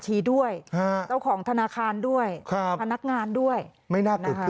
มีความรักกุมมากกว่านี้